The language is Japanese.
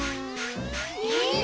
えっ！？